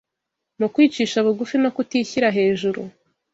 mu kwicisha bugufi no kutishyira hejuru